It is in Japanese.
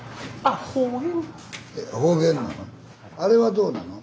あれはどうなの？